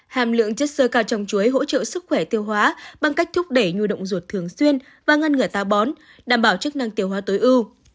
hàm lượng chất sơ cao trong chuối hỗ trợ sức khỏe tiêu hóa bằng cách thúc đẩy nhu động ruột thường xuyên và ngăn ngừa táo bón đảm bảo chức năng tiêu hóa tối ưu